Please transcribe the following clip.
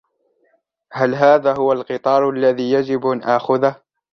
هل هذا هو القطار الذي يجب أن آخذهُ؟